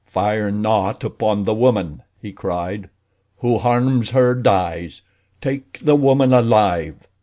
"Fire not upon the woman!" he cried. "Who harms her, dies. Take the woman alive!"